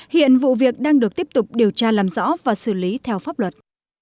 hiện vụ việc đang được tiếp tục điều tra làm rõ và xử lý theo pháp luật